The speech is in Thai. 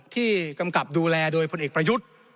กำกับดูแลโดยพลเอกประยุทธ์